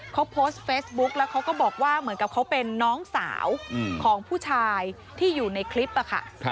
เขาโพสต์เฟซบุ๊กแล้วเขาก็บอกว่าเหมือนกับเขาเป็นน้องสาวของผู้ชายที่อยู่ในคลิปอะค่ะ